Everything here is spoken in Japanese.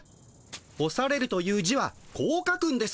干されるという字はこう書くんです。